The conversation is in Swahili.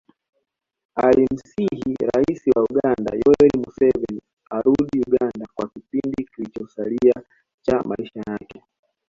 Alimsihi rais wa Uganda Yoweri Museveni arudi Uganda kwa kipindi kilichosalia cha maisha yake